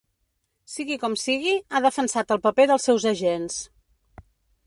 Sigui com sigui, ha defensat el paper dels seus agents.